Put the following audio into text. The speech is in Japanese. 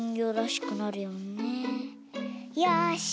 よし！